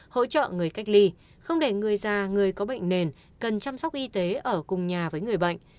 hỗ trợ người cách ly không để người già người có bệnh nền cần chăm sóc y tế ở cùng nhà với người bệnh